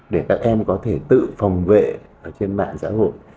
để các em có thể tự phòng vệ ở trên mạng xã hội